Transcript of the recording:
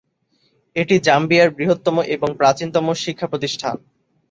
এটি জাম্বিয়ার বৃহত্তম এবং প্রাচীনতম শিক্ষা প্রতিষ্ঠান।